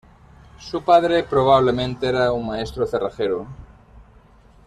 Su padre probablemente era un maestro cerrajero.